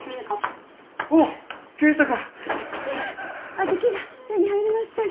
小豆が手に入りましたよ。